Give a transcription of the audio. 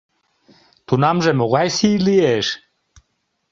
Тунамже могай сий лиеш?